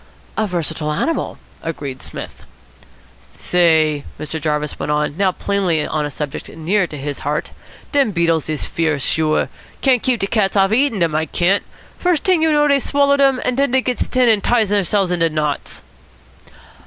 "A versatile animal," agreed Psmith. "Say," Mr. Jarvis went on, now plainly on a subject near to his heart, "dem beetles is fierce. Sure. Can't keep de cats off of eatin' dem, I can't. First t'ing you know dey've swallowed dem, and den dey gits thin and ties theirselves into knots."